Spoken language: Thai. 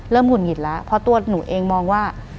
หุ่นหงิดแล้วเพราะตัวหนูเองมองว่า